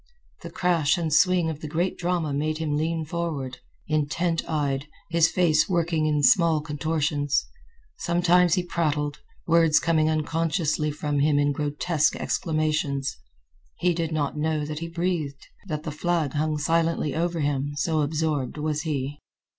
The crash and swing of the great drama made him lean forward, intent eyed, his face working in small contortions. Sometimes he prattled, words coming unconsciously from him in grotesque exclamations. He did not know that he breathed; that the flag hung silently over him, so absorbed was he.